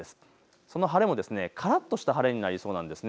その晴れもからっとした晴れになりそうです。